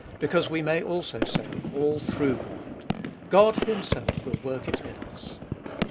because we may also say, All through God! God Himself will work it in us.